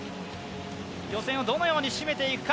予選をどのように締めていくか。